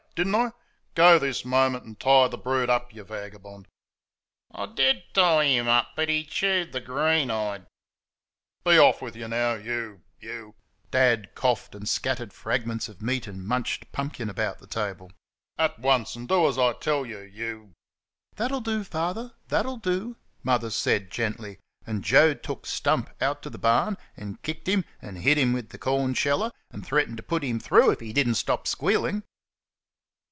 did n't I? Go this moment and tie the brute up, you vagabond!" "I did tie him up, but he chewed the greenhide." "Be off with you, you " (Dad coughed suddenly and scattered fragments of meat and munched pumpkin about the table) "at once, and do as I tell you, you " "That'll do, Father that'll do," Mother said gently, and Joe took Stump out to the barn and kicked him, and hit him against the corn sheller, and threatened to put him through it if he did n't stop squealing.